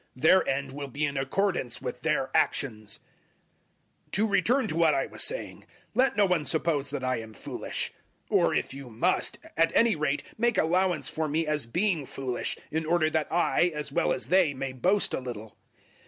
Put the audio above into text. Their end will be in accordance with their actions. 011:016 To return to what I was saying. Let no one suppose that I am foolish. Or if you must, at any rate make allowance for me as being foolish, in order that I, as well as they, may boast a little.